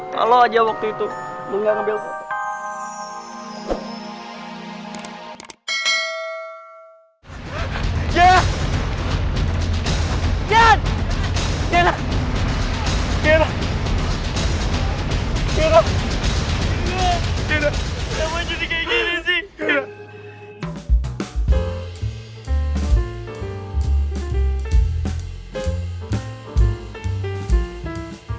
kalo aja waktu itu lu gak ngambil foto